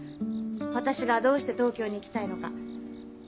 私がどうして東京に行きたいのか。